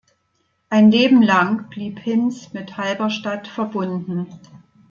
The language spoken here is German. Ein Leben lang blieb Hinz mit Halberstadt verbunden.